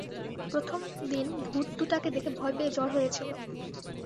প্রথম দিন ভূত দুটাকে দেখে ভয় পেয়ে জ্বর হয়েছিল।